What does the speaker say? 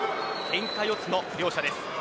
ケンカ四つの両者です。